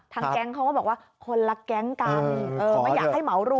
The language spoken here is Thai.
แก๊งเขาก็บอกว่าคนละแก๊งกันไม่อยากให้เหมารวม